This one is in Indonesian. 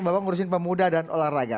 bapak ngurusin pemuda dan olahraga